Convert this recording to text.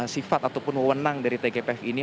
sifat ataupun mewenang dari tgpf ini